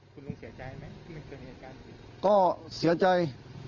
คุณลุงเสียใจไหมก็เสียใจ